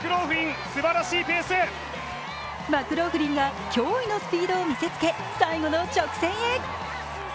マクローフリンが驚異のスピードを見せつけ最後の直線へ。